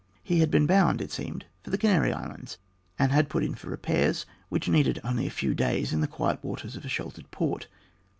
He had been bound, it seemed, for the Canary Islands, and had put in for repairs, which needed only a few days in the quiet waters of a sheltered port.